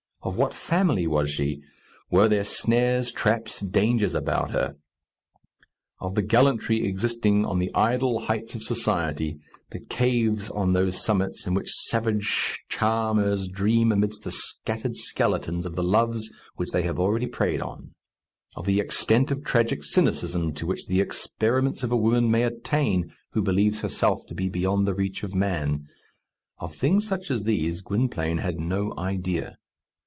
Of what family was she? Were there snares, traps, dangers about her? Of the gallantry existing on the idle heights of society; the caves on those summits, in which savage charmers dream amid the scattered skeletons of the loves which they have already preyed on; of the extent of tragic cynicism to which the experiments of a woman may attain who believes herself to be beyond the reach of man of things such as these Gwynplaine had no idea.